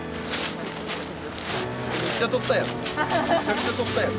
めっちゃ取ったやん。